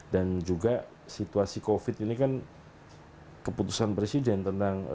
dan juga situasi covid ini kan keputusan presiden tentang